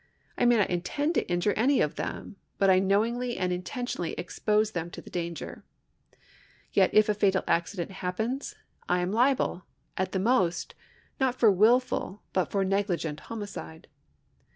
I may not intend to injure any of them, but I knowingly and intention ally expose them to the danger. Yet if a fatal accident happens, I am liable, at the most, not for wilful, but for negli gent homicide.